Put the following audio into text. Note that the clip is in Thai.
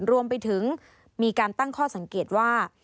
รวมไปถึงมีการตั้งข้อสังเกตว่า